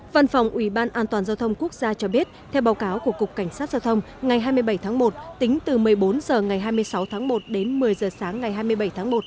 văn phòng ủy ban an toàn giao thông quốc gia cho biết theo báo cáo của cục cảnh sát giao thông ngày hai mươi bảy tháng một tính từ một mươi bốn h ngày hai mươi sáu tháng một đến một mươi h sáng ngày hai mươi bảy tháng một